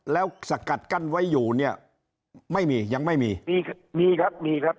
แล้วสกัดกั้นไว้อยู่เนี่ยไม่มียังไม่มีมีครับมีครับ